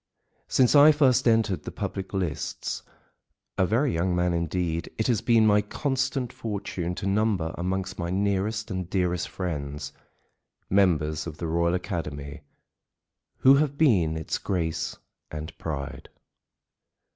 Since I first entered the public lists, a very young man indeed, it has been my constant fortune to number amongst my nearest and dearest friends members of the Royal Academy who have been its grace and pride.